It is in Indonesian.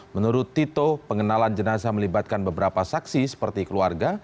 menurut tito pengenalan jenazah melibatkan beberapa saksi seperti keluarga